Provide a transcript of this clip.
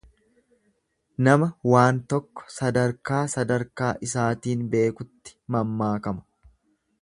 Nama waan tokko sadarkaa sadarkaa isaatiin beekutti mammaakama.